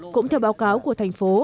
cũng theo báo cáo của thành phố